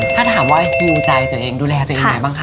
ถ้าถามว่าฮิวใจตัวเองดูแลตัวเองไหนบ้างคะ